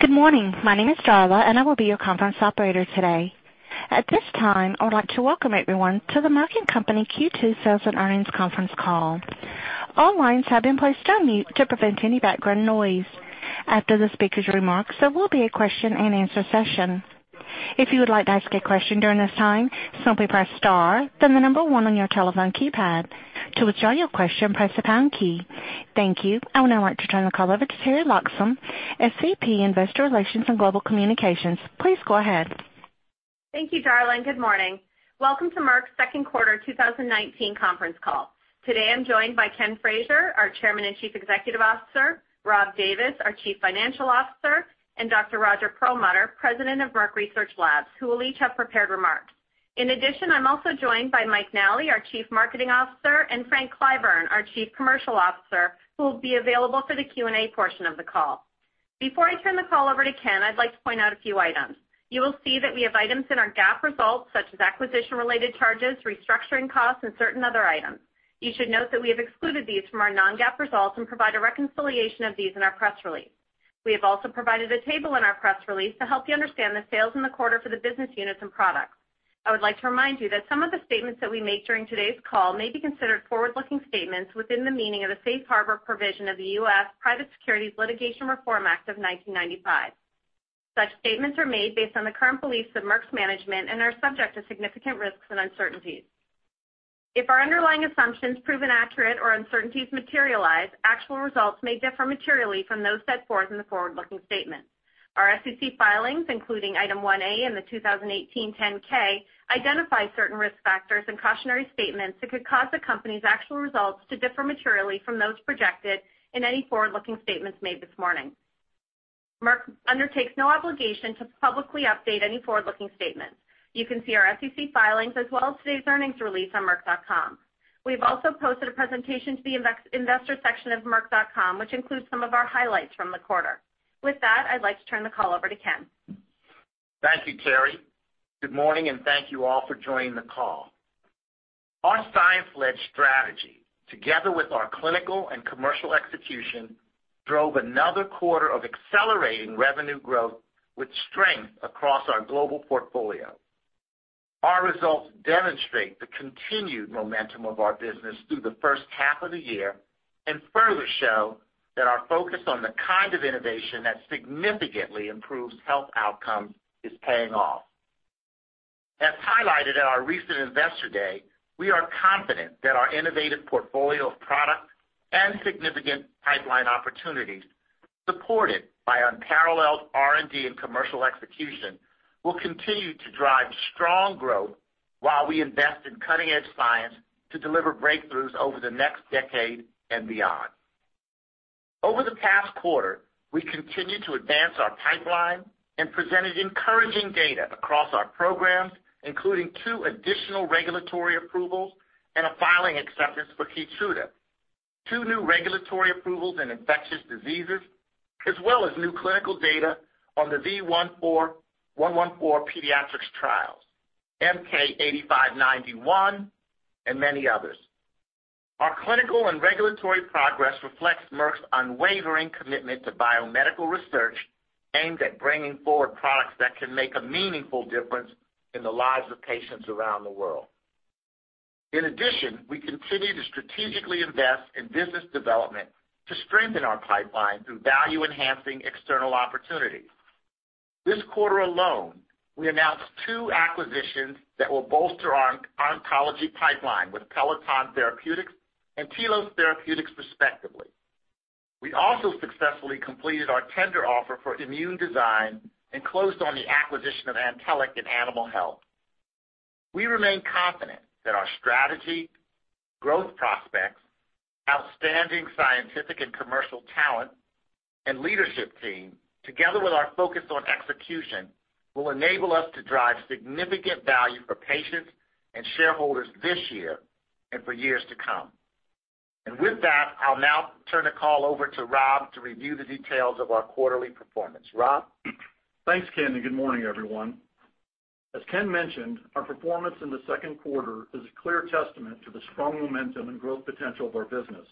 Good morning. My name is Darla, and I will be your conference operator today. At this time, I would like to welcome everyone to the Merck & Company Q2 Sales and Earnings Conference Call. All lines have been placed on mute to prevent any background noise. After the speaker's remarks, there will be a question and answer session. If you would like to ask a question during this time, simply press star then the number one on your telephone keypad. To withdraw your question, press the pound key. Thank you. I would now like to turn the call over to Teri Loxam, SVP, Investor Relations and Global Communications. Please go ahead. Thank you, Darla. Good morning. Welcome to Merck's second quarter 2019 conference call. Today, I'm joined by Ken Frazier, our Chairman and Chief Executive Officer, Rob Davis, our Chief Financial Officer, and Dr. Roger Perlmutter, President of Merck Research Laboratories, who will each have prepared remarks. In addition, I'm also joined by Mike Nally, our Chief Marketing Officer, and Frank Clyburn, our Chief Commercial Officer, who will be available for the Q&A portion of the call. Before I turn the call over to Ken, I'd like to point out a few items. You will see that we have items in our GAAP results such as acquisition-related charges, restructuring costs, and certain other items. You should note that we have excluded these from our non-GAAP results and provide a reconciliation of these in our press release. We have also provided a table in our press release to help you understand the sales in the quarter for the business units and products. I would like to remind you that some of the statements that we make during today's call may be considered forward-looking statements within the meaning of the Safe Harbor provision of the U.S. Private Securities Litigation Reform Act of 1995. Such statements are made based on the current beliefs of Merck's management and are subject to significant risks and uncertainties. If our underlying assumptions prove inaccurate or uncertainties materialize, actual results may differ materially from those set forth in the forward-looking statement. Our SEC filings, including Item 1A in the 2018 10-K, identify certain risk factors and cautionary statements that could cause the company's actual results to differ materially from those projected in any forward-looking statements made this morning. Merck undertakes no obligation to publicly update any forward-looking statements. You can see our SEC filings as well as today's earnings release on merck.com. We've also posted a presentation to the investor section of merck.com, which includes some of our highlights from the quarter. With that, I'd like to turn the call over to Ken. Thank you, Teri. Good morning. thank you all for joining the call. Our science-led strategy, together with our clinical and commercial execution, drove another quarter of accelerating revenue growth with strength across our global portfolio. Our results demonstrate the continued momentum of our business through the first half of the year and further show that our focus on the kind of innovation that significantly improves health outcomes is paying off. As highlighted at our recent Investor Day, we are confident that our innovative portfolio of products and significant pipeline opportunities, supported by unparalleled R&D and commercial execution, will continue to drive strong growth while we invest in cutting-edge science to deliver breakthroughs over the next decade and beyond. Over the past quarter, we continued to advance our pipeline and presented encouraging data across our programs, including two additional regulatory approvals and a filing acceptance for KEYTRUDA; two new regulatory approvals in infectious diseases; as well as new clinical data on the V114 pediatrics trials, MK-8591, and many others. Our clinical and regulatory progress reflects Merck's unwavering commitment to biomedical research aimed at bringing forward products that can make a meaningful difference in the lives of patients around the world. We continue to strategically invest in business development to strengthen our pipeline through value-enhancing external opportunities. This quarter alone, we announced two acquisitions that will bolster our oncology pipeline with Peloton Therapeutics and Tilos Therapeutics, respectively. We also successfully completed our tender offer for Immune Design and closed on the acquisition of Antelliq in Animal Health. We remain confident that our strategy, growth prospects, outstanding scientific and commercial talent, and leadership team, together with our focus on execution, will enable us to drive significant value for patients and shareholders this year and for years to come. With that, I'll now turn the call over to Rob to review the details of our quarterly performance. Rob? Thanks, Ken. Good morning, everyone. As Ken mentioned, our performance in the second quarter is a clear testament to the strong momentum and growth potential of our business.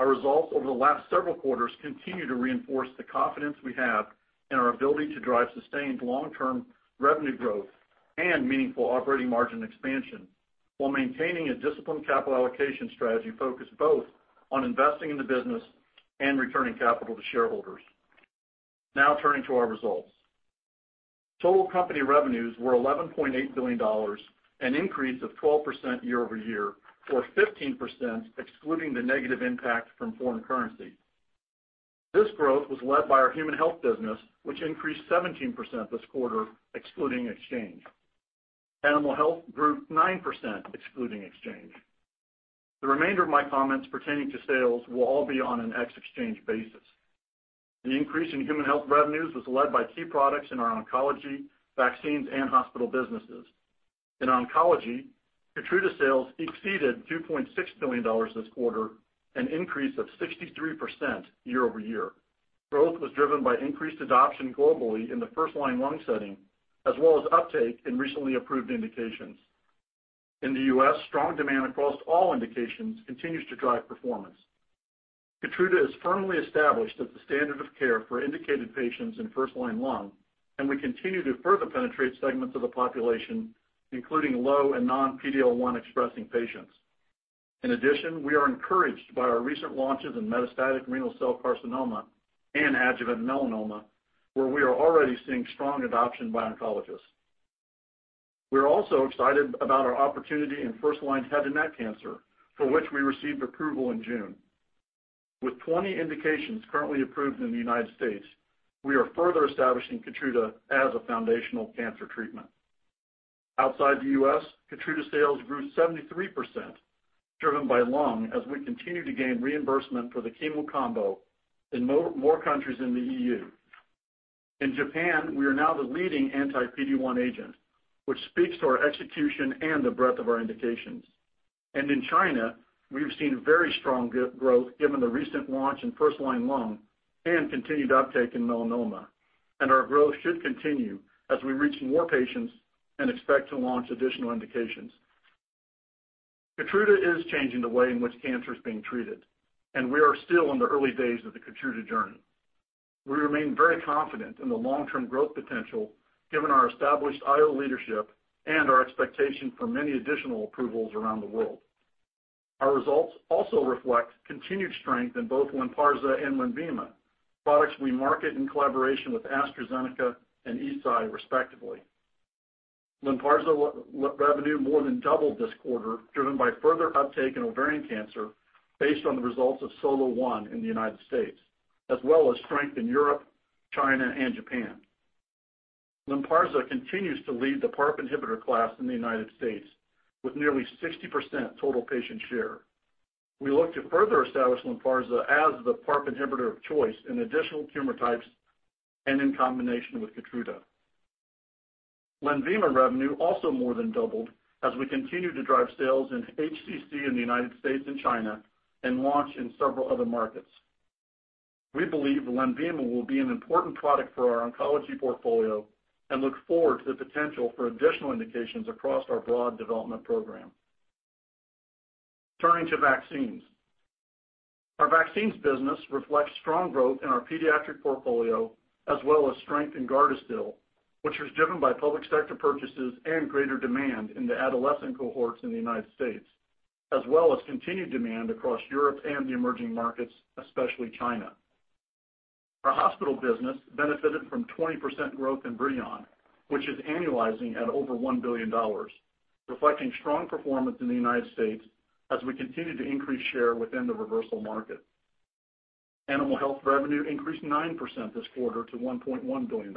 Our results over the last several quarters continue to reinforce the confidence we have in our ability to drive sustained long-term revenue growth and meaningful operating margin expansion while maintaining a disciplined capital allocation strategy focused both on investing in the business and returning capital to shareholders. Turning to our results. Total company revenues were $11.8 billion, an increase of 12% year-over-year, or 15% excluding the negative impact from foreign currency. This growth was led by our Human Health business, which increased 17% this quarter excluding exchange. Animal Health grew 9% excluding exchange. The remainder of my comments pertaining to sales will all be on an ex-exchange basis. The increase in Human Health revenues was led by key products in our oncology, vaccines, and hospital businesses. In oncology, KEYTRUDA sales exceeded $2.6 billion this quarter, an increase of 63% year-over-year. Growth was driven by increased adoption globally in the first-line lung setting, as well as uptake in recently approved indications. In the U.S., strong demand across all indications continues to drive performance. KEYTRUDA is firmly established as the standard of care for indicated patients in first-line lung, and we continue to further penetrate segments of the population, including low- and non-PD-L1-expressing patients. In addition, we are encouraged by our recent launches in metastatic renal cell carcinoma and adjuvant melanoma, where we are already seeing strong adoption by oncologists. We're also excited about our opportunity in first-line head and neck cancer, for which we received approval in June. With 20 indications currently approved in the U.S., we are further establishing KEYTRUDA as a foundational cancer treatment. Outside the U.S., KEYTRUDA sales grew 73%, driven by lung, as we continue to gain reimbursement for the chemo combo in more countries in the EU. In Japan, we are now the leading anti-PD-1 agent, which speaks to our execution and the breadth of our indications. In China, we have seen very strong growth given the recent launch in first-line lung and continued uptake in melanoma, and our growth should continue as we reach more patients and expect to launch additional indications. KEYTRUDA is changing the way in which cancer is being treated, and we are still in the early days of the KEYTRUDA journey. We remain very confident in the long-term growth potential given our established IO leadership and our expectation for many additional approvals around the world. Our results also reflect continued strength in both LYNPARZA and LENVIMA, products we market in collaboration with AstraZeneca and Eisai, respectively. LYNPARZA revenue more than doubled this quarter, driven by further uptake in ovarian cancer based on the results of SOLO-1 in the U.S., as well as strength in Europe, China, and Japan. LYNPARZA continues to lead the PARP inhibitor class in the U.S., with nearly 60% total patient share. We look to further establish LYNPARZA as the PARP inhibitor of choice in additional tumor types and in combination with KEYTRUDA. LENVIMA revenue also more than doubled as we continue to drive sales in HCC in the U.S. and China and launch in several other markets. We believe LENVIMA will be an important product for our oncology portfolio and look forward to the potential for additional indications across our broad development program. Turning to vaccines. Our vaccines business reflects strong growth in our pediatric portfolio as well as strength in GARDASIL, which was driven by public sector purchases and greater demand in the adolescent cohorts in the U.S., as well as continued demand across Europe and the emerging markets, especially China. Our hospital business benefited from 20% growth in BRIDION, which is annualizing at over $1 billion, reflecting strong performance in the U.S. as we continue to increase share within the reversal market. Animal health revenue increased 9% this quarter to $1.1 billion.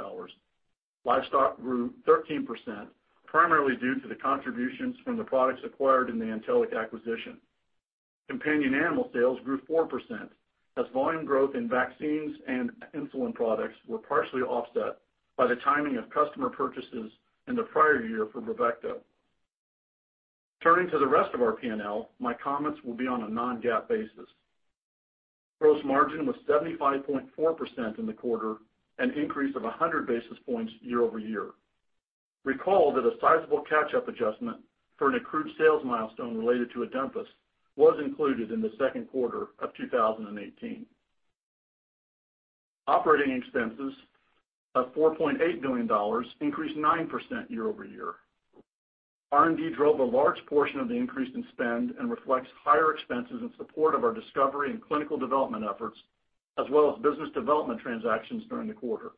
Livestock grew 13%, primarily due to the contributions from the products acquired in the Antelliq acquisition. Companion animal sales grew 4% as volume growth in vaccines and insulin products were partially offset by the timing of customer purchases in the prior year for BRAVECTO. Turning to the rest of our P&L, my comments will be on a non-GAAP basis. Gross margin was 75.4% in the quarter, an increase of 100 basis points year-over-year. Recall that a sizable catch-up adjustment for an accrued sales milestone related to Adempas was included in the second quarter of 2018. Operating expenses of $4.8 billion increased 9% year-over-year. R&D drove a large portion of the increase in spend and reflects higher expenses in support of our discovery and clinical development efforts, as well as business development transactions during the quarter.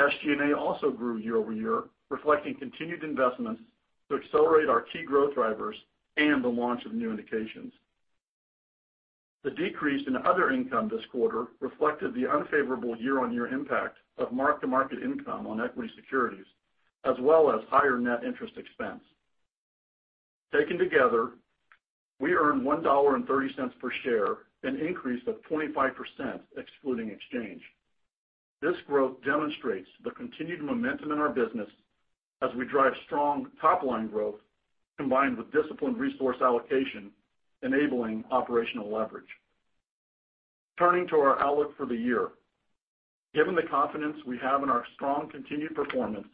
SG&A also grew year-over-year, reflecting continued investments to accelerate our key growth drivers and the launch of new indications. The decrease in other income this quarter reflected the unfavorable year-on-year impact of mark-to-market income on equity securities, as well as higher net interest expense. Taken together, we earned $1.30 per share, an increase of 25%, excluding exchange. This growth demonstrates the continued momentum in our business as we drive strong top-line growth combined with disciplined resource allocation, enabling operational leverage. Turning to our outlook for the year. Given the confidence we have in our strong continued performance,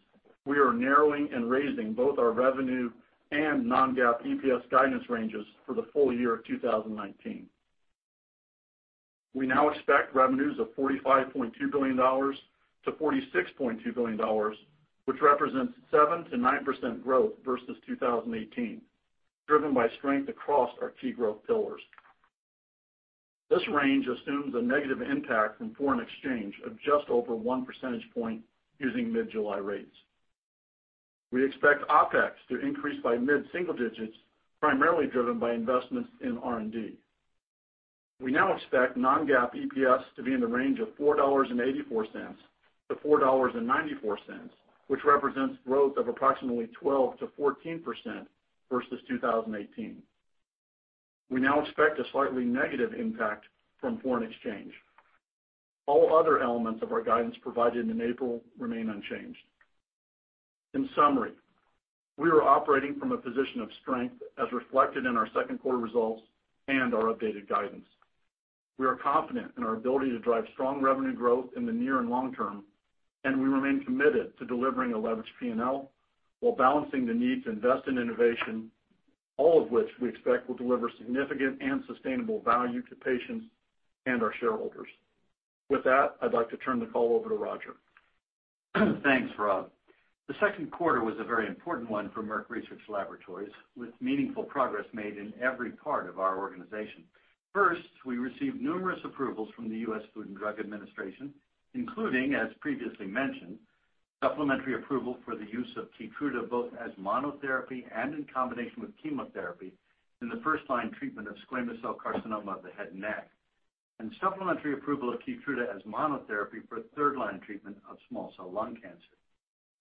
we are narrowing and raising both our revenue and non-GAAP EPS guidance ranges for the full year of 2019. We now expect revenues of $45.2 billion-$46.2 billion, which represents 7%-9% growth versus 2018, driven by strength across our key growth pillars. This range assumes a negative impact from foreign exchange of just over one percentage point using mid-July rates. We expect OpEx to increase by mid-single digits, primarily driven by investments in R&D. We now expect non-GAAP EPS to be in the range of $4.84-$4.94, which represents growth of approximately 12%-14% versus 2018. We now expect a slightly negative impact from foreign exchange. All other elements of our guidance provided in April remain unchanged. In summary, we are operating from a position of strength, as reflected in our second-quarter results and our updated guidance. We are confident in our ability to drive strong revenue growth in the near and long term, and we remain committed to delivering a leveraged P&L while balancing the need to invest in innovation, all of which we expect will deliver significant and sustainable value to patients and our shareholders. With that, I'd like to turn the call over to Roger. Thanks, Rob. The second quarter was a very important one for Merck Research Laboratories, with meaningful progress made in every part of our organization. First, we received numerous approvals from the US Food and Drug Administration, including, as previously mentioned, supplementary approval for the use of KEYTRUDA, both as monotherapy and in combination with chemotherapy in the first-line treatment of squamous cell carcinoma of the head and neck, and supplementary approval of KEYTRUDA as monotherapy for third-line treatment of small cell lung cancer.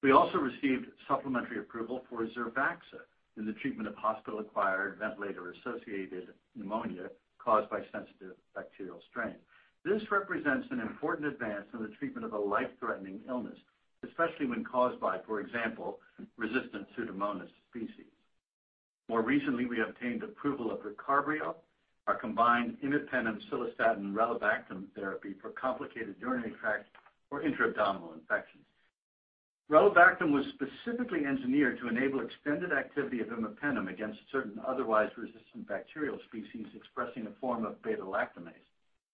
We also received supplementary approval for ZERBAXA in the treatment of hospital-acquired ventilator-associated pneumonia caused by sensitive bacterial strains. This represents an important advance in the treatment of a life-threatening illness, especially when caused by, for example, resistant Pseudomonas species. More recently, we obtained approval of RECARBRIO, our combined imipenem/cilastatin/relebactam therapy for complicated urinary tract or intra-abdominal infections. relebactam was specifically engineered to enable extended activity of imipenem against certain otherwise resistant bacterial species expressing a form of beta-lactamase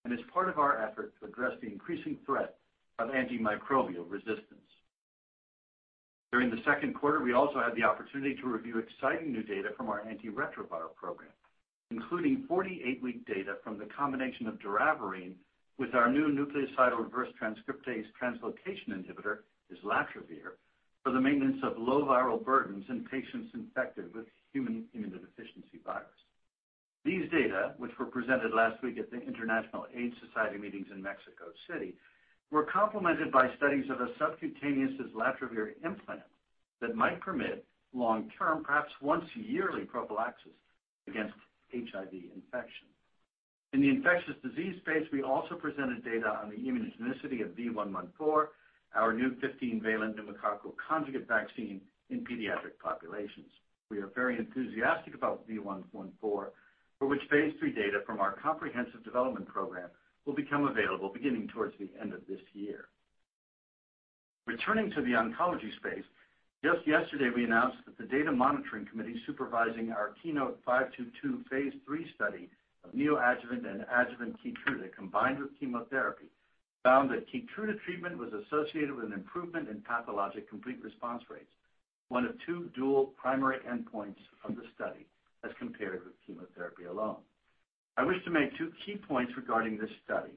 and is part of our effort to address the increasing threat of antimicrobial resistance. During the second quarter, we also had the opportunity to review exciting new data from our antiretroviral program, including 48-week data from the combination of doravirine with our new nucleoside reverse transcriptase translocation inhibitor, islatravir, for the maintenance of low viral burdens in patients infected with human immunodeficiency virus. These data, which were presented last week at the International AIDS Society meetings in Mexico City, were complemented by studies of a subcutaneous islatravir implant that might permit long-term, perhaps once-yearly, prophylaxis against HIV infection. In the infectious disease space, we also presented data on the immunogenicity of V114, our new 15-valent pneumococcal conjugate vaccine in pediatric populations. We are very enthusiastic about V114, for which phase III data from our comprehensive development program will become available beginning towards the end of this year. Returning to the oncology space, just yesterday, we announced that the data monitoring committee supervising our KEYNOTE-522 phase III study of neoadjuvant and adjuvant KEYTRUDA combined with chemotherapy found that KEYTRUDA treatment was associated with an improvement in pathological complete response rates, one of two dual primary endpoints of the study, as compared with chemotherapy alone. I wish to make two key points regarding this study.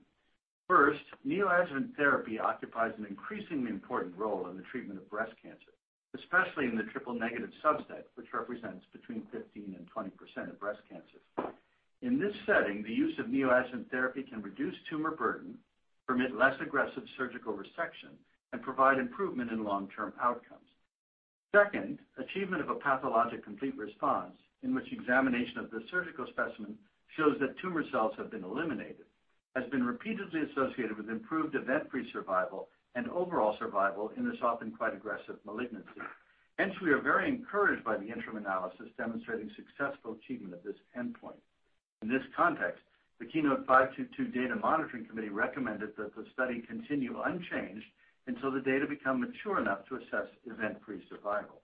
First, neoadjuvant therapy occupies an increasingly important role in the treatment of breast cancer, especially in the triple-negative subset, which represents between 15% and 20% of breast cancers. In this setting, the use of neoadjuvant therapy can reduce tumor burden, permit less aggressive surgical resection, and provide improvement in long-term outcomes. Second, achievement of a pathological complete response, in which examination of the surgical specimen shows that tumor cells have been eliminated, has been repeatedly associated with improved event-free survival and overall survival in this often quite aggressive malignancy. Hence, we are very encouraged by the interim analysis demonstrating successful achievement of this endpoint. In this context, the KEYNOTE-522 data monitoring committee recommended that the study continue unchanged until the data become mature enough to assess event-free survival.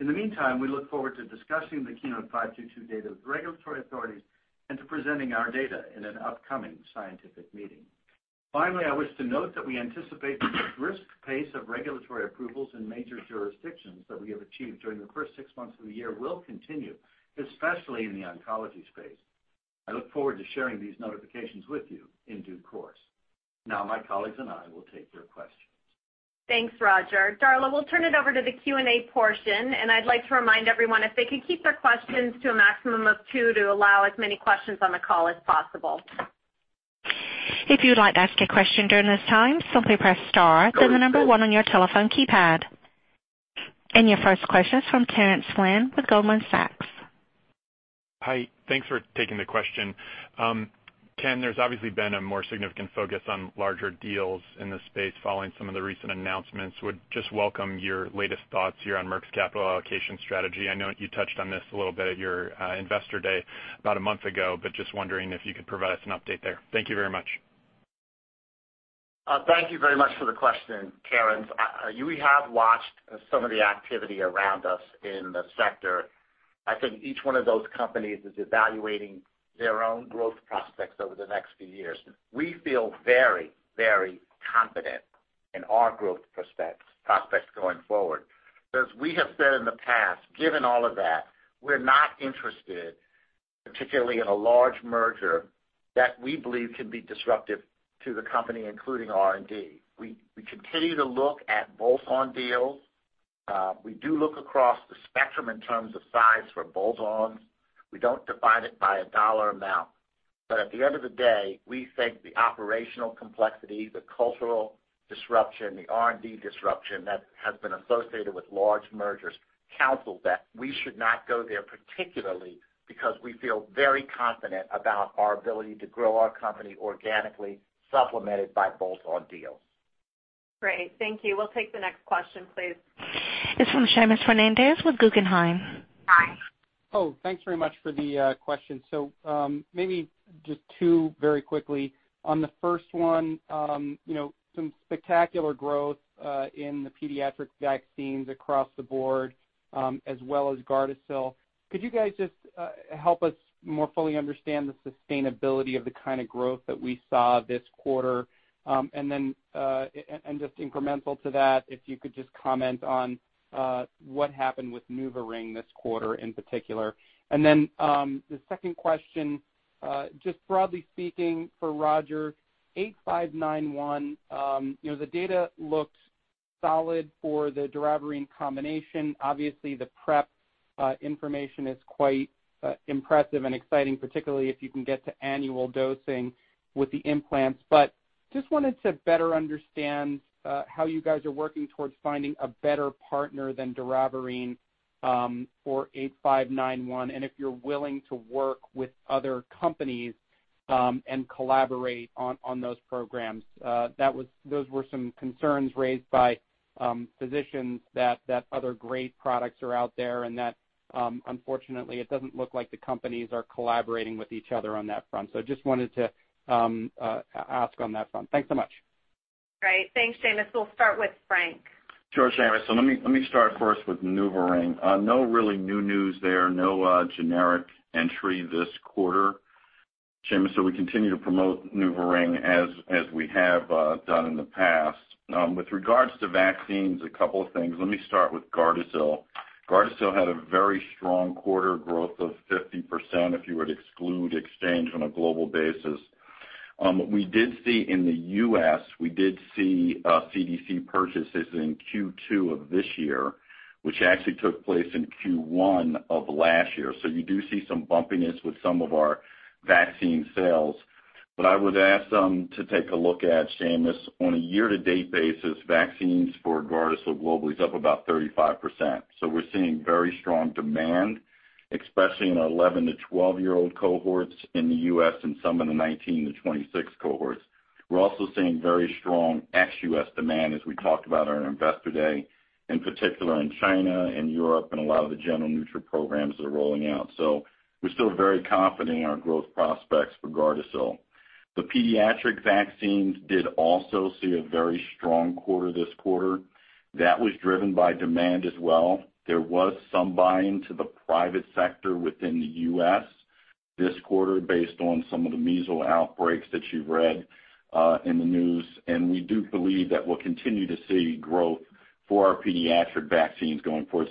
In the meantime, we look forward to discussing the KEYNOTE-522 data with regulatory authorities and to presenting our data in an upcoming scientific meeting. Finally, I wish to note that we anticipate the brisk pace of regulatory approvals in major jurisdictions that we have achieved during the first six months of the year will continue, especially in the oncology space. I look forward to sharing these notifications with you in due course. Now my colleagues and I will take your questions. Thanks, Roger. Darla, we'll turn it over to the Q&A portion. I'd like to remind everyone if they could keep their questions to a maximum of two to allow as many questions on the call as possible. If you'd like to ask a question during this time, simply press star then the number one on your telephone keypad. Your first question is from Terence Flynn with Goldman Sachs. Hi. Thanks for taking the question. Ken, there's obviously been a more significant focus on larger deals in this space following some of the recent announcements. Would just welcome your latest thoughts here on Merck's capital allocation strategy. I know you touched on this a little bit at your investor day about a month ago, but I'm just wondering if you could provide us an update there. Thank you very much. Thank you very much for the question, Terence. We have watched some of the activity around us in the sector. I think each one of those companies is evaluating their own growth prospects over the next few years. We feel very confident in our growth prospects going forward. As we have said in the past, given all of that, we're not interested, particularly in a large merger that we believe can be disruptive to the company, including R&D. We continue to look at bolt-on deals. We do look across the spectrum in terms of size for bolt-ons. We don't define it by a dollar amount. At the end of the day, we think the operational complexity, the cultural disruption, and the R&D disruption that have been associated with large mergers counsel that we should not go there, particularly because we feel very confident about our ability to grow our company organically, supplemented by bolt-on deals. Great. Thank you. We'll take the next question, please. It's from Seamus Fernandez with Guggenheim. Hi. Thanks very much for the question. Maybe just two very quickly. On the first one, some spectacular growth in the pediatric vaccines across the board, as well as GARDASIL. Could you guys just help us more fully understand the sustainability of the kind of growth that we saw this quarter? Just incrementally to that, could you just comment on what happened with NuvaRing this quarter in particular? The second question, just broadly speaking for Roger, MK-8591. The data looked solid for the doravirine combination. Obviously, the PrEP information is quite impressive and exciting, particularly if you can get to annual dosing with the implants. Just wanted to better understand how you guys are working towards finding a better partner than doravirine for MK-8591, and if you're willing to work with other companies and collaborate on those programs. Those were some concerns raised by physicians that other great products are out there and that unfortunately, it doesn't look like the companies are collaborating with each other on that front. Just wanted to ask on that front. Thanks so much. Great. Thanks, Seamus. We'll start with Frank. Sure, Seamus. Let me start first with NuvaRing. No really new news there. No generic entry this quarter, Seamus; we continue to promote NuvaRing as we have done in the past. With regard to vaccines, a couple of things. Let me start with GARDASIL. GARDASIL had a very strong quarter, with growth of 50%, if you were to exclude exchange on a global basis. We did see, in the U.S., we did see CDC purchases in Q2 of this year, which actually took place in Q1 of last year. You do see some bumpiness with some of our vaccine sales. I would ask to take a look at, Seamus, on a year-to-date basis, vaccines for GARDASIL globally are up about 35%. We're seeing very strong demand, especially in our 11-12-year-old cohorts in the U.S. and some in the 19-26 cohorts. We're also seeing very strong ex-U.S. demand, as we talked about on our Investor Day, in particular in China and Europe, a lot of the general nutra programs that are rolling out. We're still very confident in our growth prospects for GARDASIL. The pediatric vaccines did also see a very strong quarter this quarter. That was driven by demand as well. There was some buy-in to the private sector within the U.S. this quarter based on some of the measles outbreaks that you've read in the news. We do believe that we'll continue to see growth for our pediatric vaccines going forward.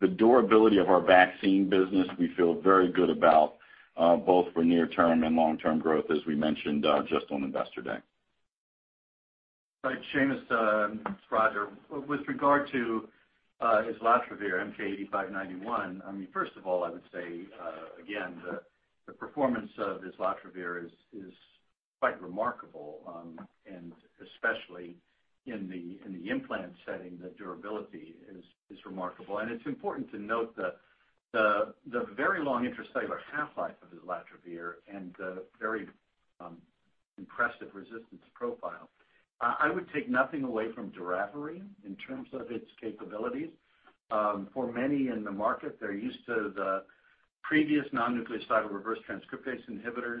The durability of our vaccine business, we feel very good about, both for near-term and long-term growth, as we mentioned just on Investor Day. Seamus, Roger. With regard to islatravir, MK-8591, first of all, I would say again, the performance of islatravir is quite remarkable, and especially in the implant setting, the durability is remarkable. It's important to note the very long intracellular half-life of islatravir and the very impressive resistance profile. I would take nothing away from doravirine in terms of its capabilities. For many in the market, they're used to the previous non-nucleoside reverse transcriptase inhibitors,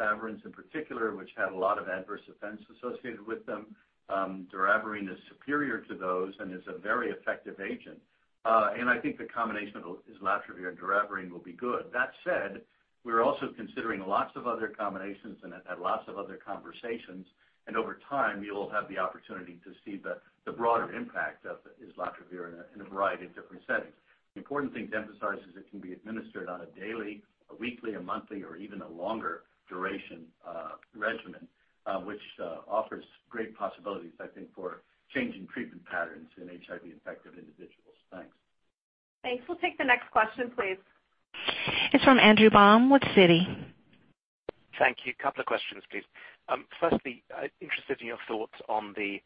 efavirenz in particular, which had a lot of adverse events associated with them. Doravirine is superior to those and is a very effective agent. I think the combination of islatravir and doravirine will be good. That said, we're also considering lots of other combinations and have had lots of other conversations, and over time, you'll have the opportunity to see the broader impact of islatravir in a variety of different settings. The important thing to emphasize is it can be administered on a daily, a weekly, a monthly, or even a longer-duration regimen, which offers great possibilities, I think, for changing treatment patterns in HIV-infected individuals. Thanks. Thanks. We'll take the next question, please. It's from Andrew Baum with Citi. Thank you. Couple of questions, please. Firstly, interested in your thoughts on the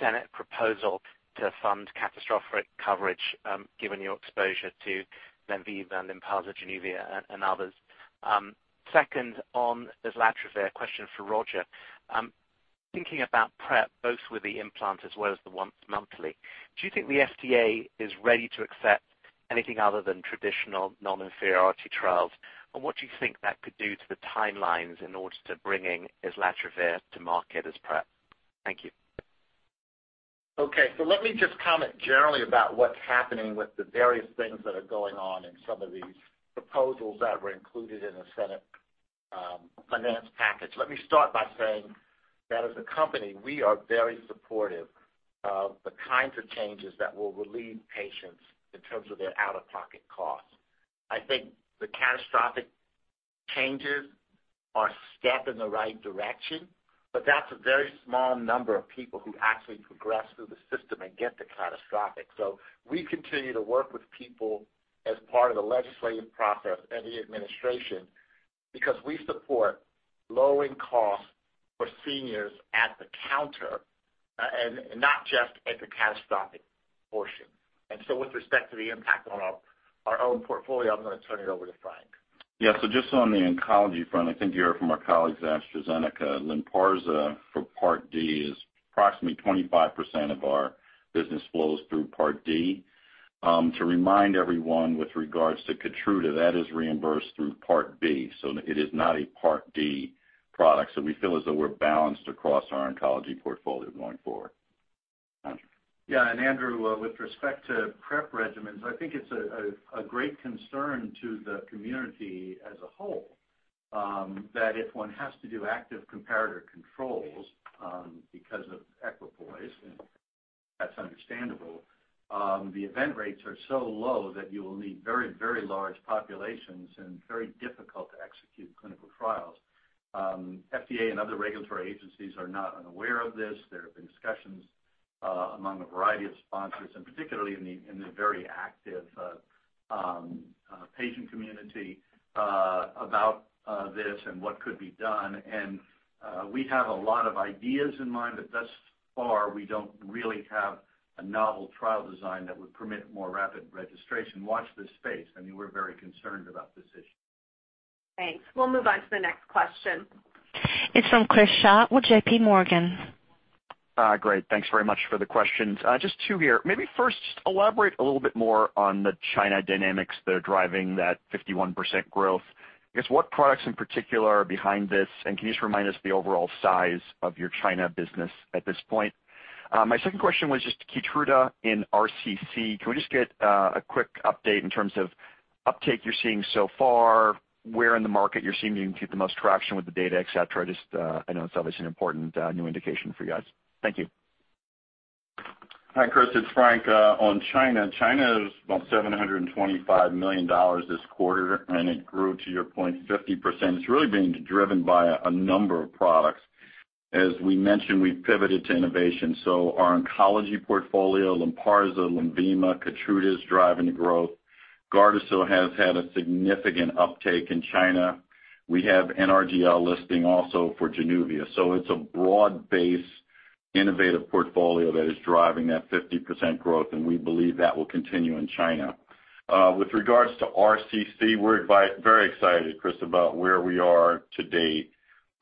Senate proposal to fund catastrophic coverage, given your exposure to LENVIMA and LYNPARZA, JANUVIA, and others. Second, on islatravir, a question for Roger. Thinking about PrEP, both with the implant as well as the once-monthly, do you think the FDA is ready to accept anything other than traditional non-inferiority trials? What do you think that could do to the timelines in order to bringing islatravir to market as PrEP? Thank you. Let me just comment generally about what's happening with the various things that are going on in some of these proposals that were included in the Senate finance package. Let me start by saying that as a company, we are very supportive of the kinds of changes that will relieve patients in terms of their out-of-pocket costs. I think the catastrophic changes are a step in the right direction, but that's a very small number of people who actually progress through the system and get the catastrophe. We continue to work with people as part of the legislative process and the administration because we support lowering costs for seniors at the counter and not just at the catastrophic portion. With respect to the impact on our own portfolio, I'm going to turn it over to Frank. Yeah. Just on the oncology front, I think you heard from our colleagues at AstraZeneca. LYNPARZA for Part D is approximately 25% of our business flows through Part D. To remind everyone with regard to KEYTRUDA, that is reimbursed through Part B, so it is not a Part D product. We feel as though we're balanced across our oncology portfolio going forward. Roger? Andrew, with respect to PrEP regimens, I think it's a great concern to the community as a whole that if one has to do active comparator controls because of equipoise, and that's understandable, the event rates are so low that you will need very large populations and very difficult-to-execute clinical trials. FDA and other regulatory agencies are not unaware of this. There have been discussions among a variety of sponsors, particularly in the very active patient community, about this and what could be done, and we have a lot of ideas in mind, but thus far, we don't really have a novel trial design that would permit more rapid registration. Watch this space. I mean, we're very concerned about this issue. Thanks. We'll move on to the next question. It's from Chris Schott with JPMorgan. Great. Thanks very much for the questions. Just two here. Maybe first, elaborate a little bit more on the China dynamics that are driving that 51% growth. I guess what products in particular are behind this, can you just remind us of the overall size of your China business at this point? My second question was just KEYTRUDA in RCC. Can we just get a quick update in terms of uptake you're seeing so far, where in the market you're seeing you can get the most traction with the data, et cetera? Just—I know it's obviously an important new indication for you guys. Thank you. Hi, Chris, it's Frank. China is about $725 million this quarter. It grew, to your point, 50%. It's really being driven by a number of products. As we mentioned, we've pivoted to innovation. Our oncology portfolio, LYNPARZA, LENVIMA, and KEYTRUDA, is driving the growth. GARDASIL has had a significant uptake in China. We have NRDL listing also for JANUVIA. It's a broad-based innovative portfolio that is driving that 50% growth, and we believe that will continue in China. With regards to RCC, we're very excited, Chris, about where we are to date.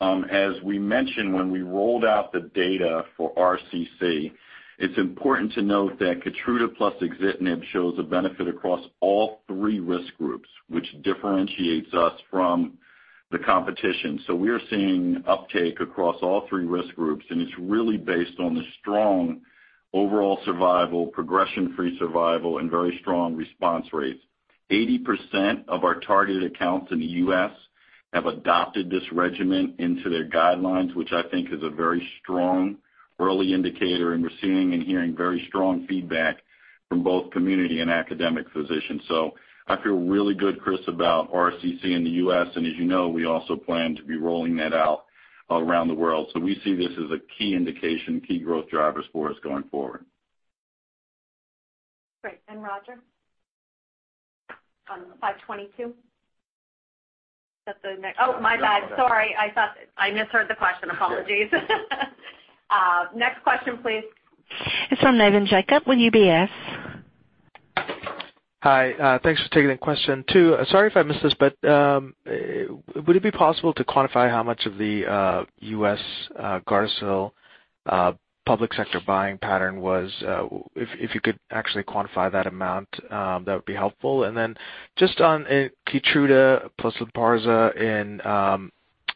As we mentioned, when we rolled out the data for RCC, it's important to note that KEYTRUDA plus axitinib shows a benefit across all three risk groups, which differentiates us from the competition. We are seeing uptake across all three risk groups, and it's really based on the strong overall survival, progression-free survival, and very strong response rates. 80% of our targeted accounts in the U.S. have adopted this regimen into their guidelines, which I think is a very strong early indicator, and we're seeing and hearing very strong feedback from both community and academic physicians. I feel really good, Chris, about RCC in the U.S., and as you know, we also plan to be rolling that out around the world. We see this as a key indication and key growth driver for us going forward. Great. Roger? On 522. Oh, my bad. Sorry. I misheard the question. Apologies. Next question, please. It's from Navin Jacob with UBS. Hi. Thanks for taking the question. Sorry if I missed this, but would it be possible to quantify how much of the U.S. GARDASIL's public sector buying pattern was, if you could actually quantify that amount, that would be helpful. Just on LYNPARZA plus KEYTRUDA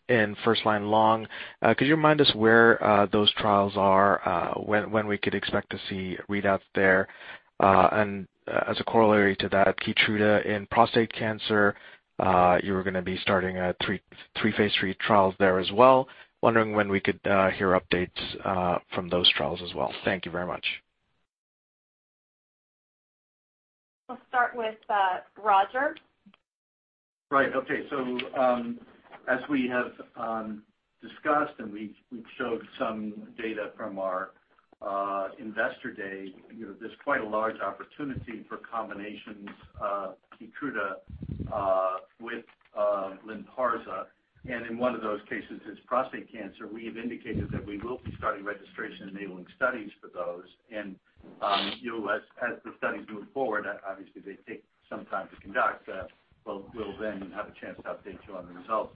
in first-line lung, could you remind us where those trials are and when we could expect to see readouts there? As a corollary to that, KEYTRUDA in prostate cancer, you were going to be starting three phase III trials there as well. Wondering when we could hear updates from those trials as well. Thank you very much. We'll start with Roger. Right. Okay. As we have discussed, and as we've shown some data from our investor day, there's quite a large opportunity for combinations of KEYTRUDA with LYNPARZA. In one of those cases is prostate cancer. We have indicated that we will be starting registration-enabling studies for those. As the studies move forward, obviously they take some time to conduct; we'll then have a chance to update you on the results.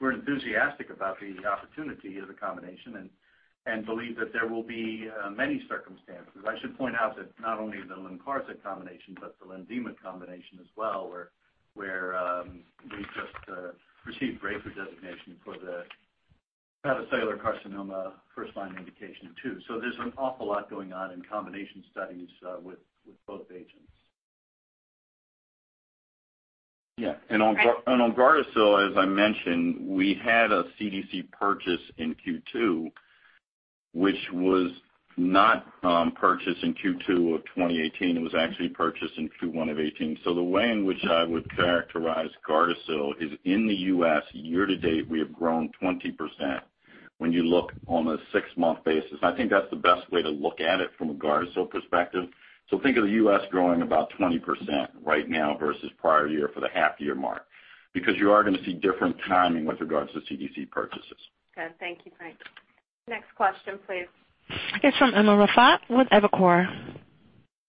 We're enthusiastic about the opportunity of the combination and believe that there will be many circumstances. I should point out that not only the LYNPARZA combination but the LENVIMA combination as well received breakthrough designation for the hepatocellular carcinoma first-line indication, too. There's an awful lot going on in combination studies with both agents. Yeah. Frank. On GARDASIL, as I mentioned, we had a CDC purchase in Q2, which was not purchased in Q2 of 2018. It was actually purchased in Q1 of 2018. The way in which I would characterize GARDASIL is in the U.S., year to date, we have grown 20% when you look on a six-month basis. I think that's the best way to look at it from a GARDASIL perspective. Think of the U.S. growing about 20% right now versus prior year for the half-year mark, because you are going to see different timing with regards to CDC purchases. Good. Thank you, Frank. Next question, please. It's from Umer Raffat with Evercore.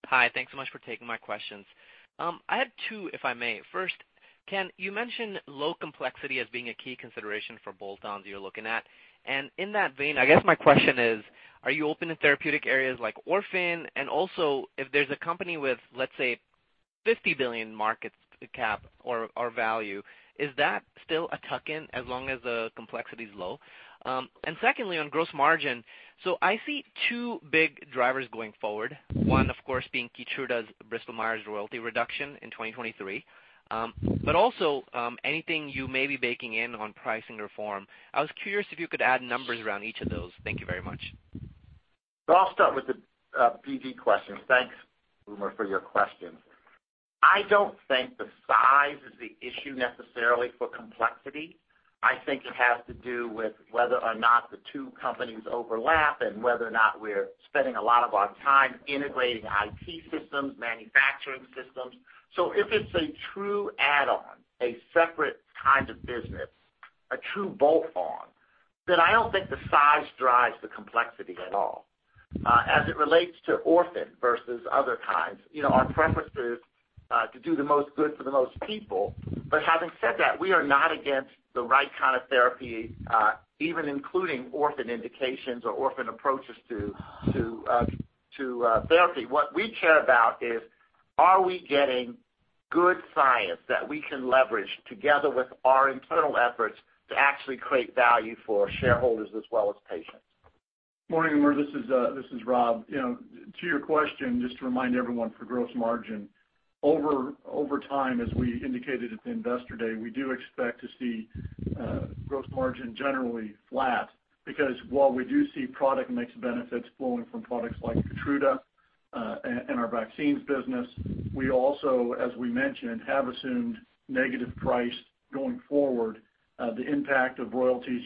Hi. Thanks so much for taking my questions. I have two, if I may. First, Ken, you mentioned low complexity as being a key consideration for bolt-ons you're looking at. In that vein, I guess my question is, are you open to therapeutic areas like orphans? Also, if there's a company with, let's say, $50 billion market cap or value, is that still a tuck-in as long as the complexity is low? Secondly, on gross margin, I see two big drivers going forward. One, of course, being KEYTRUDA's Bristol-Myers Squibb royalty reduction in 2023; also, anything you may be baking in on pricing reform. I was curious if you could add numbers around each of those. Thank you very much. I'll start with the PD question. Thanks, Umer, for your question. I don't think the size is the issue necessarily for complexity. I think it has to do with whether or not the two companies overlap and whether or not we're spending a lot of our time integrating IT systems and manufacturing systems. If it's a true add-on, a separate kind of business, a true bolt-on, I don't think the size drives the complexity at all. As it relates to orphan versus other kinds, our preference is to do the most good for the most people. Having said that, we are not against the right kind of therapy, even including orphan indications or orphan approaches to therapy. What we care about is, are we getting good science that we can leverage together with our internal efforts to actually create value for shareholders as well as patients? Morning, Umer, this is Rob. To your question, just to remind everyone for gross margin, over time, as we indicated at the investor day, we do expect to see gross margin generally flat. While we do see product mix benefits flowing from products like KEYTRUDA, and our vaccines business, we also, as we mentioned, have assumed negative prices going forward. The impact of royalties,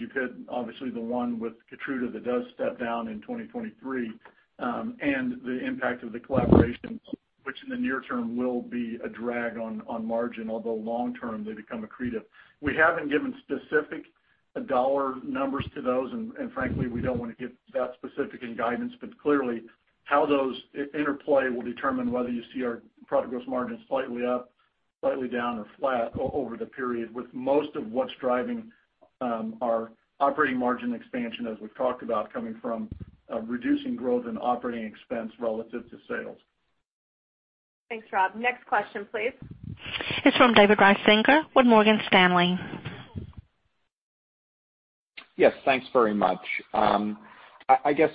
obviously, is the one with KEYTRUDA that does step down in 2023, and the impact of the collaborations, which in the near term will be a drag on margin, although long term, they become accretive. We haven't given specific dollar numbers to those, and frankly, we don't want to get that specific in guidance. Clearly, how those interplay will determine whether you see our product gross margins slightly up, slightly down, or flat over the period, with most of what's driving our operating margin expansion, as we've talked about, coming from reducing growth and operating expenses relative to sales. Thanks, Rob. Next question, please. It's from David Risinger with Morgan Stanley. Yes, thanks very much.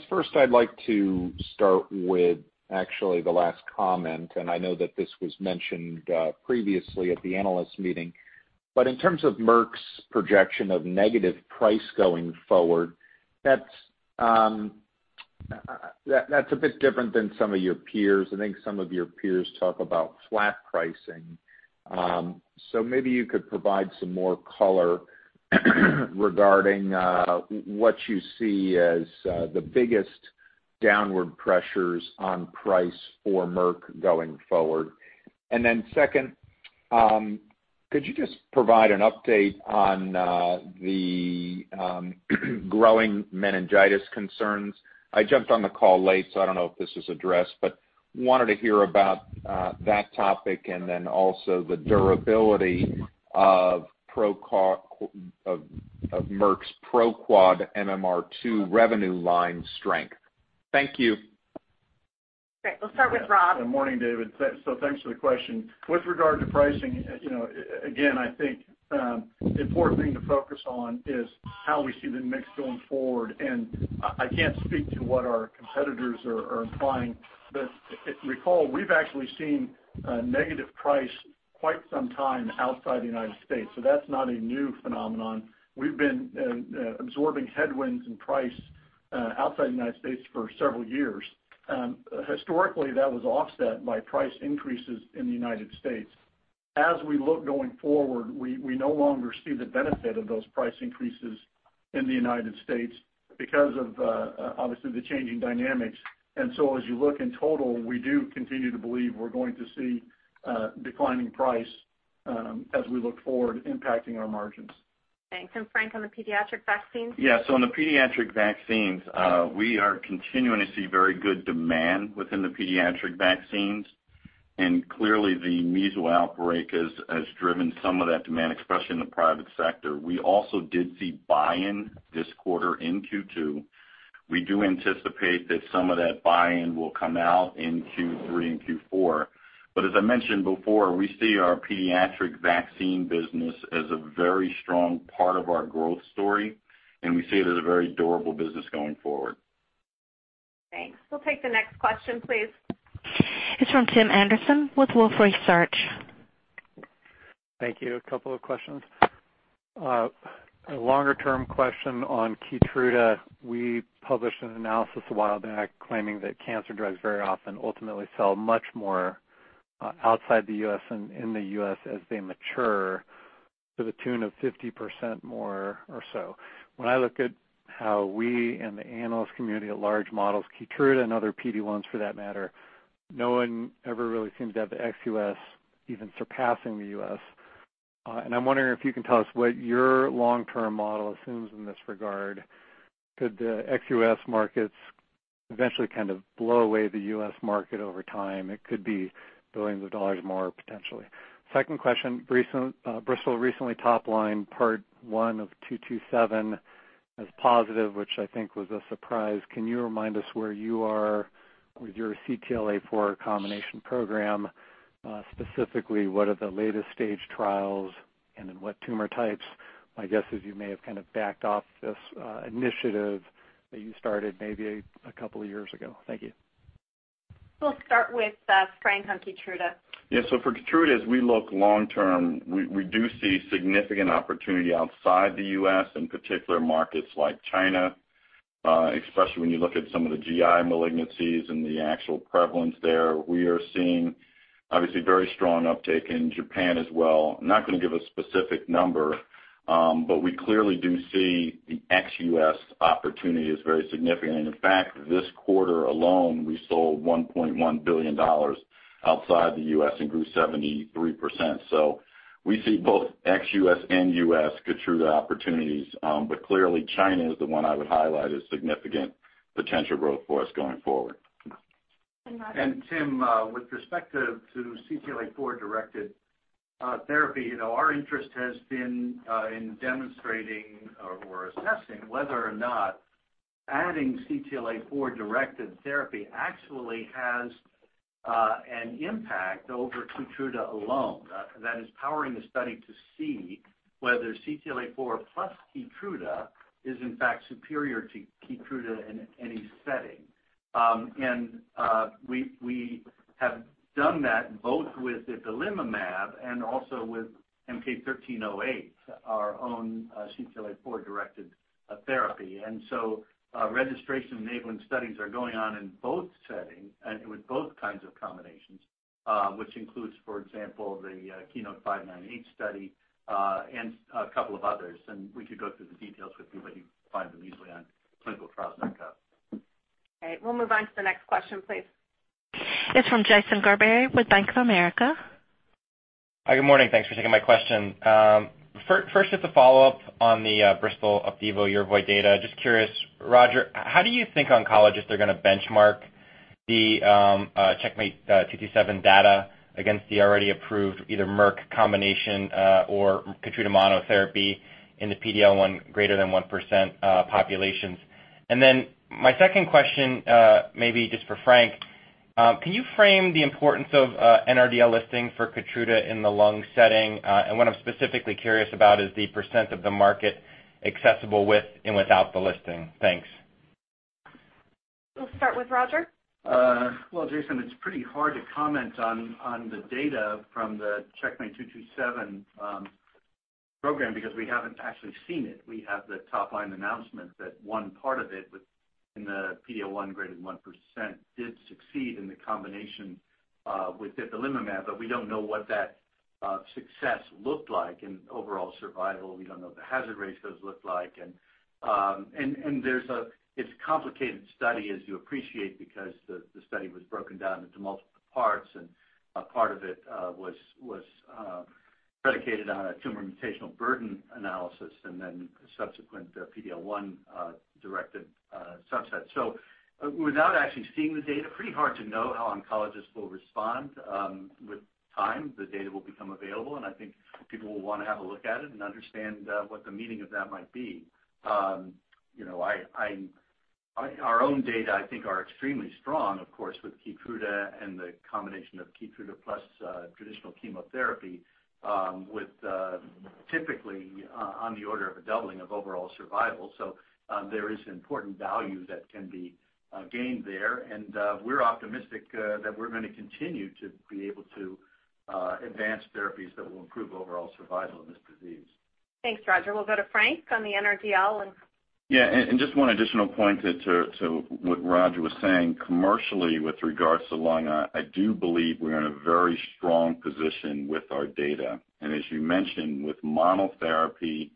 First I'd like to start with, actually, the last comment. I know that this was mentioned previously at the analyst meeting. In terms of Merck's projection of negative price going forward, that's a bit different than some of your peers. I think some of your peers talk about flat pricing. Maybe you could provide some more color regarding what you see as the biggest downward pressures on price for Merck going forward. Second, could you just provide an update on the growing meningitis concerns? I jumped on the call late, so I don't know if this was addressed, but I wanted to hear about that topic and then also the durability of Merck's PROQUAD, M-M-R II revenue line strength. Thank you. Great. Let's start with Rob. Good morning, David. Thanks for the question. With regard to pricing, again, I think the important thing to focus on is how we see the mix going forward. I can't speak to what our competitors are implying, but if you recall, we've actually seen a negative price quite some time outside the U.S., so that's not a new phenomenon. We've been absorbing headwinds in price outside the U.S. for several years. Historically, that was offset by price increases in the U.S. As we look going forward, we no longer see the benefit of those price increases in the U.S. because of, obviously, the changing dynamics. As you look in total, we do continue to believe we're going to see a declining price as we look forward, impacting our margins. Thanks, Frank, on the pediatric vaccines? For the pediatric vaccines, we are continuing to see very good demand within the pediatric vaccines. Clearly, the measles outbreak has driven some of that demand, especially in the private sector. We also did see buy-in this quarter in Q2. We do anticipate that some of that buy-in will come out in Q3 and Q4. As I mentioned before, we see our pediatric vaccine business as a very strong part of our growth story, and we see it as a very durable business going forward. Thanks. We'll take the next question, please. It's from Tim Anderson with Wolfe Research. Thank you. A couple of questions. A longer-term question on KEYTRUDA. We published an analysis a while back claiming that cancer drugs very often ultimately sell much more outside the U.S. and in the U.S. as they mature to the tune of 50% more or so. When I look at how we and the analyst community at large model KEYTRUDA and other PD-1s for that matter, no one ever really seems to have the ex-U.S. even surpassing the U.S. I'm wondering if you can tell us what your long-term model assumes in this regard. Could the ex-U.S. markets eventually kind of blow away the U.S. market over time? It could be billions of dollars more potentially. Second question, Bristol recently top-lined Part 1 of CheckMate-227 as positive, which I think was a surprise. Can you remind us where you are with your CTLA-4 combination program? Specifically, what are the latest stage trials, and in what tumor types? My guess is you may have kind of backed off this initiative that you started maybe a couple of years ago. Thank you. We'll start with Frank on KEYTRUDA. For KEYTRUDA, as we look long-term, we do see significant opportunity outside the U.S., in particular markets like China, especially when you look at some of the GI malignancies and the actual prevalence there. We are seeing obviously very strong uptake in Japan as well. Not going to give a specific number, we clearly do see the ex-U.S. An opportunity is very significant. In fact, this quarter alone, we sold $1.1 billion outside the U.S. and grew 73%. We see both ex-U.S. and U.S. KEYTRUDA opportunities. Clearly China is the one I would highlight as significant potential growth for us going forward. Roger? Tim, with respect to CTLA-4 directed therapy, our interest has been in demonstrating or assessing whether or not adding CTLA-4 directed therapy actually has an impact over KEYTRUDA alone. That is powering the study to see whether CTLA-4 plus KEYTRUDA is in fact superior to KEYTRUDA in any setting. We have done that both with ipilimumab and also with MK-1308, our own CTLA-4 directed therapy. Registration-enabling studies are going on in both settings and with both kinds of combinations, which include, for example, the KEYNOTE-598 study and a couple of others. We could go through the details with you, but you find them easily on clinicaltrials.gov. Okay. We'll move on to the next question, please. It's from Jason Gerberry with Bank of America. Hi, good morning. Thanks for taking my question. Just a follow-up on the Bristol Opdivo, Yervoy data. Just curious, Roger, how do you think oncologists are going to benchmark the CheckMate-227 data against the already approved Merck combination or KEYTRUDA monotherapy in the PD-L1 greater than 1% populations? My second question, maybe just for Frank, is can you frame the importance of NRDL listing for KEYTRUDA in the lung setting? What I'm specifically curious about is the % of the market accessible with and without the listing. Thanks. We'll start with Roger. Jason, it's pretty hard to comment on the data from the CheckMate-227 program because we haven't actually seen it. We have the top-line announcement that one part of it within the PD-L1 greater than 1% did succeed in the combination with ipilimumab, but we don't know what that success looked like in overall survival. We don't know what the hazard ratios look like. It's a complicated study, as you appreciate, because the study was broken down into multiple parts, and a part of it was predicated on a tumor mutational burden analysis and then a subsequent PD-L1 directed subset. Without actually seeing the data, it's pretty hard to know how oncologists will respond. With time, the data will become available, and I think people will want to have a look at it and understand what the meaning of that might be. Our own data, I think, are extremely strong, of course, with KEYTRUDA and the combination of KEYTRUDA plus traditional chemotherapy, with it typically being on the order of a doubling of overall survival. There is important value that can be gained there. We're optimistic that we're going to continue to be able to advance therapies that will improve overall survival in this disease. Thanks, Roger. We'll go to Frank on the NRDL and. Yeah, just one additional point to what Roger was saying. Commercially, with regard to lungs, I do believe we're in a very strong position with our data. As you mentioned, monotherapy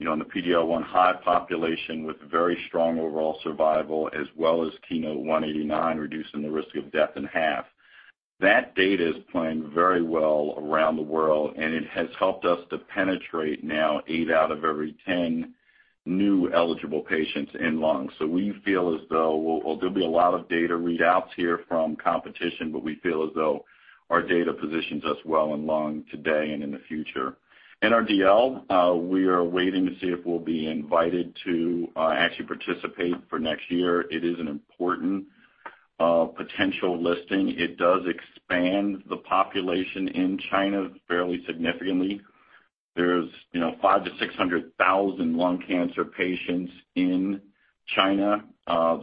in the PD-L1 high population has very strong overall survival, as well as KEYNOTE-189 reducing the risk of death in half. That data is playing very well around the world, and it has helped us to penetrate now eight out of every 10 new eligible patients in lung cancer. There'll be a lot of data readouts here from the competition, but we feel as though our data positions us well in the long run today and in the future. NRDL, we are waiting to see if we'll be invited to actually participate for next year. It is an important potential listing. It does expand the population in China fairly significantly. There are 500,000-600,000 lung cancer patients in China.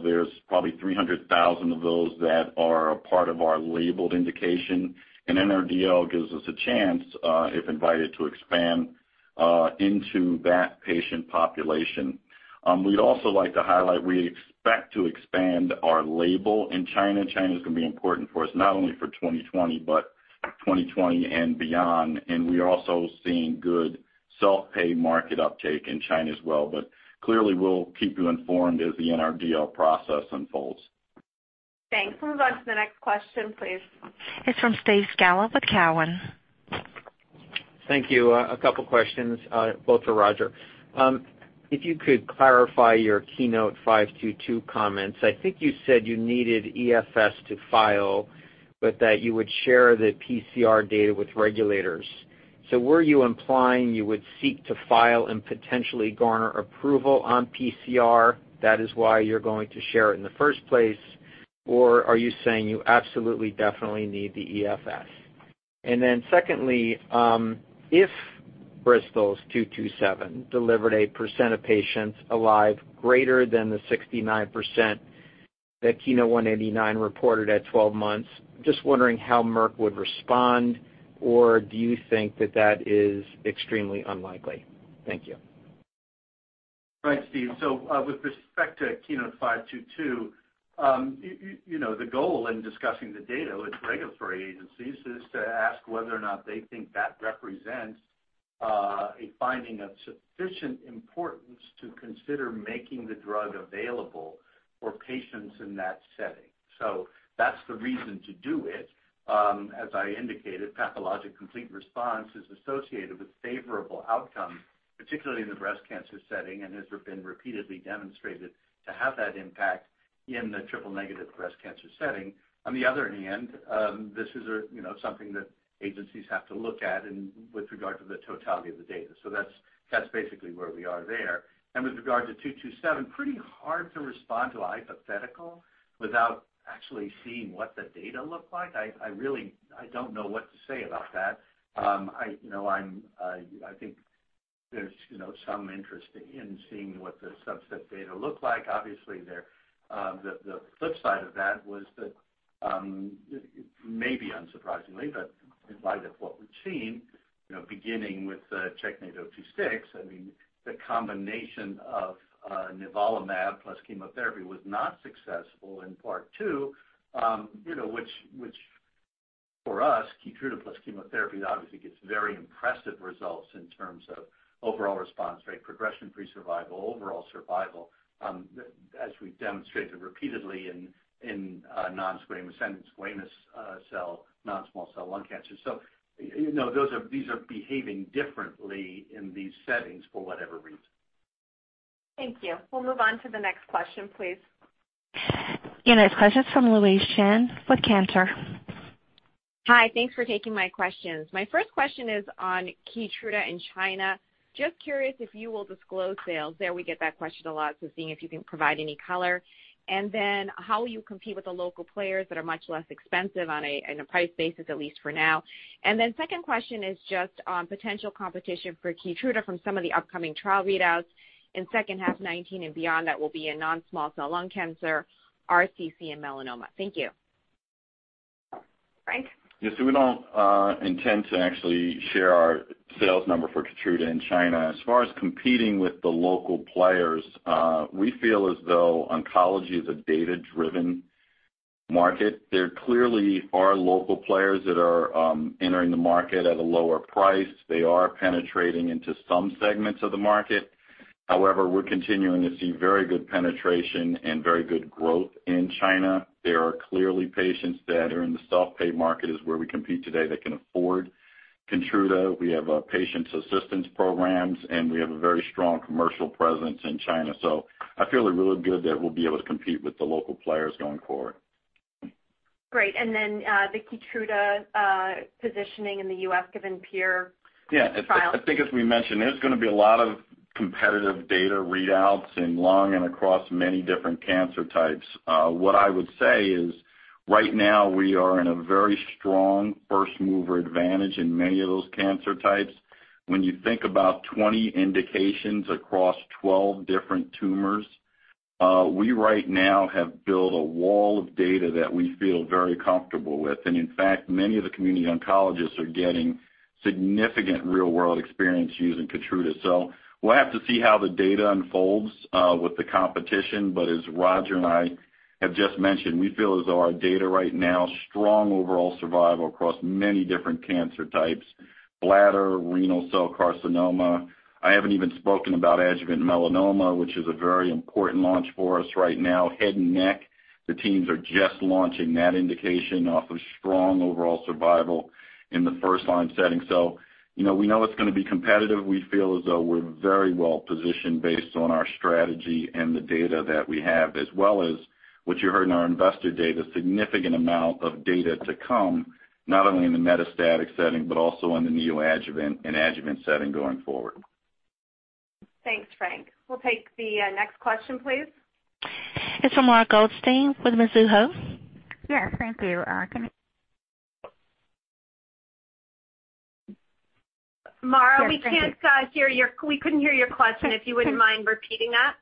There are probably 300,000 of those that are a part of our labeled indication. NRDL gives us a chance, if invited, to expand into that patient population. We'd also like to highlight, we expect to expand our label in China. China is going to be important for us, not only for 2020, but 2020 and beyond. We are also seeing good self-pay market uptake in China as well. Clearly, we'll keep you informed as the NRDL process unfolds. Thanks. We'll move on to the next question, please. It's from Steve Scala with Cowen. Thank you. A couple questions, both for Roger. If you could clarify your KEYNOTE-522 comments. I think you said you needed EFS to file, but that you would share the PCR data with regulators. Were you implying you would seek to file and potentially garner approval on PCR? Is that why you're going to share it in the first place? Or are you saying you absolutely, definitely need the EFS? Secondly, if Bristol's 227 delivered a percentage of patients alive greater than the 69% that KEYNOTE-189 reported at 12 months, I'm just wondering how Merck would respond, or do you think that that is extremely unlikely? Thank you. Right, Steve. With respect to KEYNOTE-522, the goal in discussing the data with regulatory agencies is to ask whether or not they think that represents a finding of sufficient importance to consider making the drug available for patients in that setting. That's the reason to do it. As I indicated, pathological complete response is associated with favorable outcomes, particularly in the breast cancer setting, and has been repeatedly demonstrated to have that impact in the triple-negative breast cancer setting. On the other hand, this is something that agencies have to look at with regard to the totality of the data. That's basically where we are. With regard to 227, it's pretty hard to respond to a hypothetical without actually seeing what the data look like. I really don't know what to say about that. I think there's some interest in seeing what the subset data look like. Obviously, the flip side of that was that, maybe unsurprisingly, but in light of what we've seen, beginning with CheckMate-026, the combination of nivolumab plus chemotherapy was not successful in Part 2, which for us, KEYTRUDA plus chemotherapy obviously gets very impressive results in terms of overall response rate, progression-free survival, and overall survival, as we've demonstrated repeatedly in non-squamous and squamous cell non-small cell lung cancer. These are behaving differently in these settings for whatever reason. Thank you. We'll move on to the next question, please. The next question's from Louise Chen with Cantor. Hi, thanks for taking my questions. My first question is on KEYTRUDA in China. Just curious if you will disclose sales there. We get that question a lot, so seeing if you can provide any color. How will you compete with the local players that are much less expensive on a price basis, at least for now? Second question is just on potential competition for KEYTRUDA from some of the upcoming trial readouts in the second half of 2019 and beyond that will be in non-small cell lung cancer, RCC, and melanoma. Thank you. Frank? Yes, so we don't intend to actually share our sales number for KEYTRUDA in China. As far as competing with the local players, we feel as though oncology is a data-driven market. There clearly are local players that are entering the market at a lower price. They are penetrating into some segments of the market. However, we're continuing to see very good penetration and very good growth in China. There are clearly patients that are in the self-pay market, which is where we compete today, that can afford KEYTRUDA. We have patient assistance programs, and we have a very strong commercial presence in China, so I feel really good that we'll be able to compete with the local players going forward. Great. The KEYTRUDA positioning in the U.S. given the peer trials? I think, as we mentioned, there's going to be a lot of competitive data readouts in lung and across many different cancer types. What I would say is right now we are in a very strong first-mover advantage in many of those cancer types. When you think about 20 indications across 12 different tumors, we right now have built a wall of data that we feel very comfortable with. In fact, many of the community oncologists are getting significant real-world experience using KEYTRUDA. We'll have to see how the data unfolds with the competition, but as Roger and I have just mentioned, we feel as though our data right now are strong overall survival across many different cancer types, including bladder and renal cell carcinoma. I haven't even spoken about adjuvant melanoma, which is a very important launch for us right now. Head and neck, the teams are just launching that indication off of strong overall survival in the first-line setting. We know it's going to be competitive. We feel as though we're very well positioned based on our strategy and the data that we have, as well as what you heard in our investor day, the significant amount of data to come, not only in the metastatic setting but also in the neoadjuvant and adjuvant setting going forward. Thanks, Frank. We'll take the next question, please. It's from Mara Goldstein with Mizuho. Yeah, thank you, Mara. Mara, we can't hear you. We couldn't hear your question. If you wouldn't mind repeating that.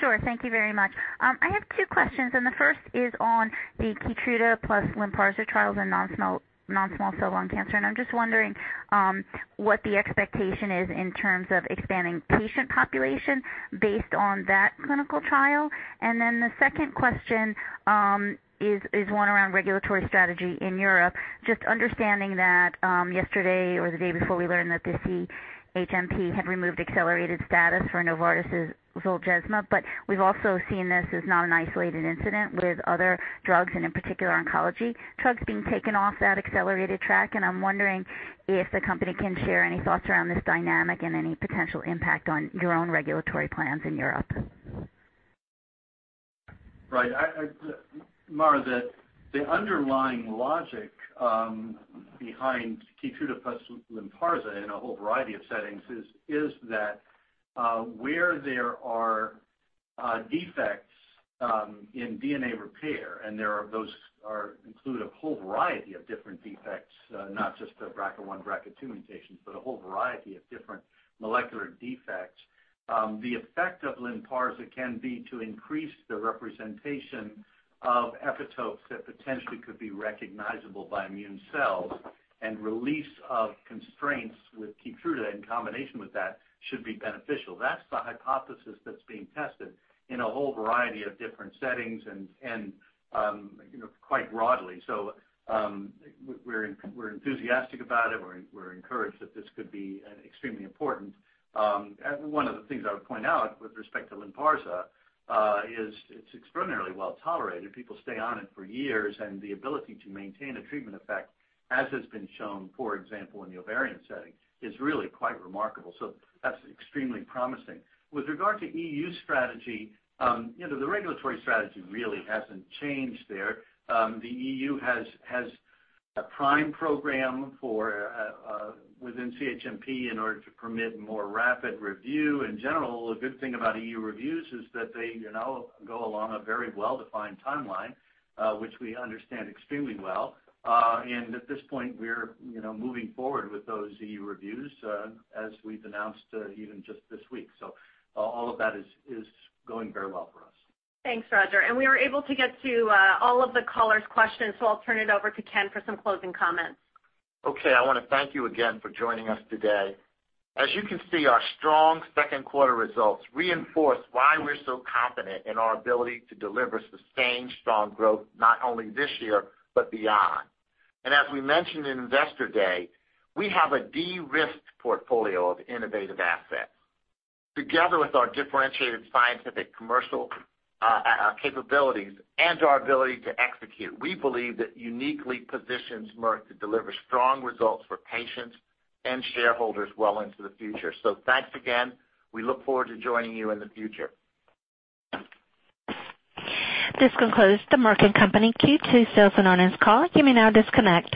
Sure. Thank you very much. I have two questions, and the first is on the KEYTRUDA plus LYNPARZA trials in non-small cell lung cancer, and I'm just wondering what the expectation is in terms of expanding patient population based on those clinical trials. The second question is one around regulatory strategy in Europe. Just understanding that yesterday or the day before, we learned that the CHMP had removed accelerated status for Novartis' ZOLGENSMA. We've also seen this as not an isolated incident with other drugs, and in particular, oncology drugs being taken off that accelerated track. I'm wondering if the company can share any thoughts around this dynamic and any potential impact on your own regulatory plans in Europe. Right. Mara, the underlying logic behind KEYTRUDA plus LYNPARZA in a whole variety of settings is that where there are defects in DNA repair, and those include a whole variety of different defects, not just the BRCA1 and BRCA2 mutations, but a whole variety of different molecular defects. The effect of LYNPARZA can be to increase the representation of epitopes that potentially could be recognizable by immune cells, and release of constraints with KEYTRUDA in combination with that should be beneficial. That's the hypothesis that's being tested in a whole variety of different settings and quite broadly. We're enthusiastic about it. We're encouraged that this could be extremely important. One of the things I would point out with respect to LYNPARZA is it's extraordinarily well-tolerated. People stay on it for years, and the ability to maintain a treatment effect, as has been shown, for example, in the ovarian setting, is really quite remarkable. That's extremely promising. With regard to EU strategy, the regulatory strategy really hasn't changed there. The EU has a PRIME program within CHMP in order to permit more rapid review. In general, a good thing about EU reviews is that they go along a very well-defined timeline, which we understand extremely well. At this point, we're moving forward with those EU reviews, as we've announced even just this week. All of that is going very well for us. Thanks, Roger. We were able to get to all of the callers' questions, so I'll turn it over to Ken for some closing comments. Okay. I want to thank you again for joining us today. As you can see, our strong second-quarter results reinforce why we're so confident in our ability to deliver sustained strong growth not only this year, but beyond. As we mentioned in Investor Day, we have a de-risked portfolio of innovative assets. Together with our differentiated scientific commercial capabilities and our ability to execute, we believe that uniquely positions Merck to deliver strong results for patients and shareholders well into the future. Thanks again. We look forward to joining you in the future. This concludes the Merck & Company Q2 sales and earnings call. You may now disconnect.